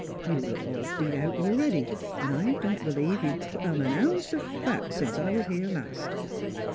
You look all beat out a'ready, an' I don't be lieve you've put on an ounce o' fat sence I was here last.